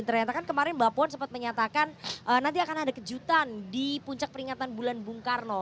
ternyata kan kemarin mbak puan sempat menyatakan nanti akan ada kejutan di puncak peringatan bulan bung karno